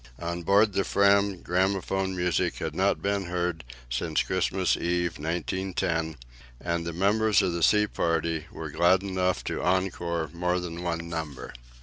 On board the Fram gramophone music had not been heard since Christmas Eve, 1910, and the members of the sea party were glad enough to encore more than one number.